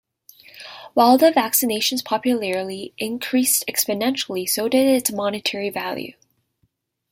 While the vaccination's popularity increased exponentially, so did its monetary value.